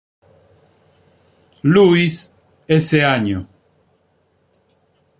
Louis", ese año.